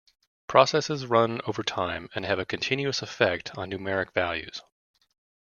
Processes run over time and have a continuous effect on numeric values.